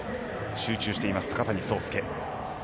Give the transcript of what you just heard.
集中しています、高谷惣亮。